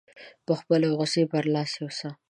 په خپلې غوسې برلاسی اوسي.